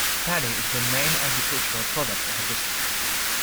Paddy is the main agricultural product of the district.